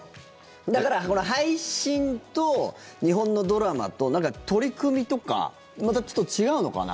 だからほら、配信と日本のドラマとなんか取り組みとかまたちょっと違うのかな。